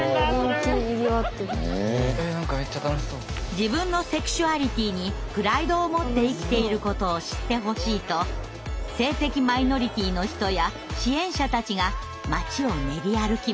自分のセクシュアリティーにプライドをもって生きていることを知ってほしいと性的マイノリティーの人や支援者たちが街を練り歩きます。